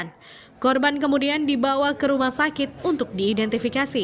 korban kemudian dibawa ke rumah sakit untuk diidentifikasi